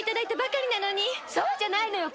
そうじゃないのよ。